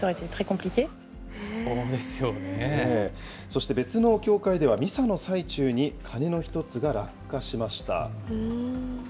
そして別の教会では、ミサの最中に鐘の一つが落下しました。